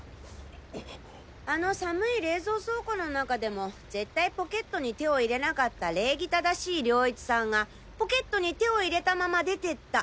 あの寒い冷蔵倉庫の中でも絶対ポケットに手を入れなかった礼儀正しい涼一さんがポケットに手を入れたまま出てった。